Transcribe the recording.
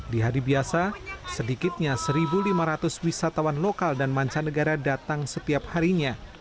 di hari biasa sedikitnya satu lima ratus wisatawan lokal dan mancanegara datang setiap harinya